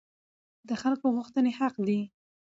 د خلکو غوښتنې حق دي